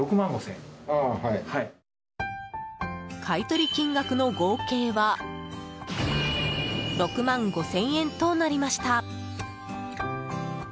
買い取り金額の合計は６万５０００円となりました。